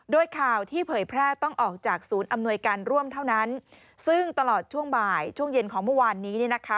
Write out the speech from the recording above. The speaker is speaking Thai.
โดยข่าวที่เผยแพร่ต้องออกจากศูนย์อำนวยการร่วมเท่านั้นซึ่งตลอดช่วงบ่ายช่วงเย็นของเมื่อวานนี้เนี่ยนะคะ